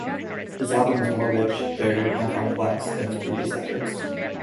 This album is more rich, varied, and complex than his previous efforts.